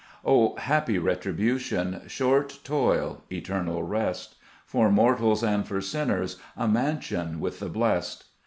2 O happy retribution ! Short toil, eternal rest ; For mortals and for sinners A mansion with the blest